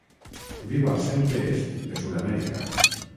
Viu al centre-est de Sud-amèrica.